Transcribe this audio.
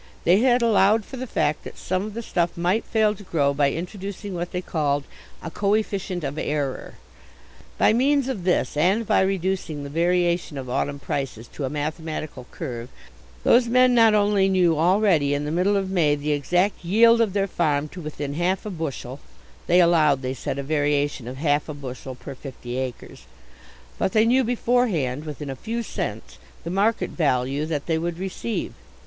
They had allowed for the fact that some of the stuff might fail to grow by introducing what they called "a coefficient of error." By means of this and by reducing the variation of autumn prices to a mathematical curve, those men not only knew already in the middle of May the exact yield of their farm to within half a bushel (they allowed, they said, a variation of half a bushel per fifty acres), but they knew beforehand within a few cents the market value that they would receive.